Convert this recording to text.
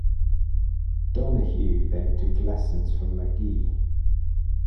Donahue then took lessons from McGee.